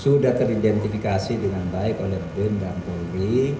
sudah teridentifikasi dengan baik oleh bin dan polri